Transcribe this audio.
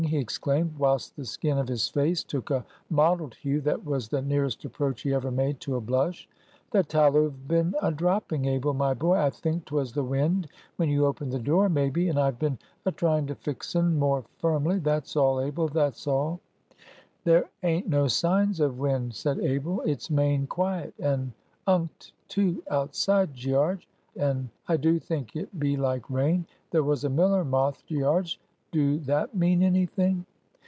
he exclaimed, whilst the skin of his face took a mottled hue that was the nearest approach he ever made to a blush. "The tallow've been a dropping, Abel, my boy. I think 'twas the wind when you opened the door, maybe. And I've been a trying to fix un more firmly. That's all, Abel; that's all." "There ain't no signs of wind," said Abel. "It's main quiet and unked too outside, Gearge. And I do think it be like rain. There was a miller moth, Gearge; do that mean any thing?"